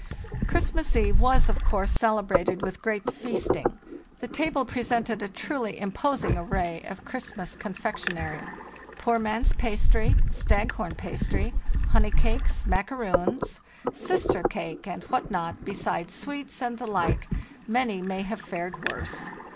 "Christmas eve was, of course, celebrated with great feasting. The table presented a truly imposing array of Christmas confectionery: 'Poor man's' pastry, 'Stag horn' pastry, honey cakes, macaroons, ' Sister' cake, and what not, besides sweets and the like; many may have fared worse.